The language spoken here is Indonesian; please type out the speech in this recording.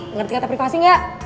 ngerti kata privasi gak